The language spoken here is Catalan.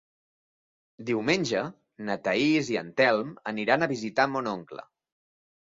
Diumenge na Thaís i en Telm aniran a visitar mon oncle.